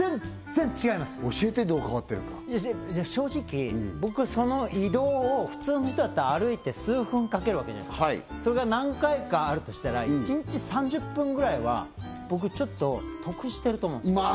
全然違います教えてどう変わってるか正直僕はその移動を普通の人だったら歩いて数分かけるわけじゃないですかそれが何回かあるとしたら１日３０分ぐらいは僕ちょっと得してると思うんですまあ